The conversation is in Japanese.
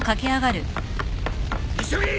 急げ！